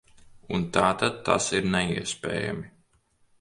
Un tātad tas ir neiespējami.